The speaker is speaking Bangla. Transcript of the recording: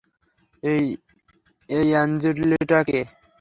এই আঞ্জলিটা কে?